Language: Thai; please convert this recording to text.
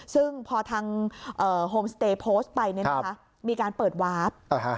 ซึ่งพอทางโฮมสเตยโพสต์ไปเนี่ยนะคะมีการเปิดวาร์ฟ